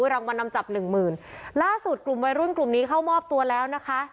รางวัลนำจับหนึ่งหมื่นล่าสุดกลุ่มวัยรุ่นกลุ่มนี้เข้ามอบตัวแล้วนะคะ